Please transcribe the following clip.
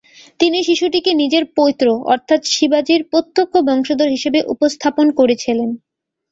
তিনি শিশুটিকে নিজের পৌত্র, অর্থাৎ শিবাজীর প্রত্যক্ষ বংশধর হিসেবে উপস্থাপন করেছিলেন।